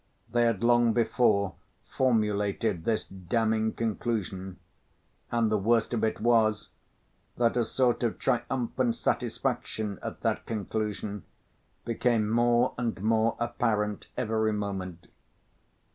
They had long before formulated this damning conclusion, and the worst of it was that a sort of triumphant satisfaction at that conclusion became more and more apparent every moment.